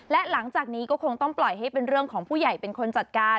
และหลังจากนี้ก็คงต้องปล่อยให้เป็นเรื่องของผู้ใหญ่เป็นคนจัดการ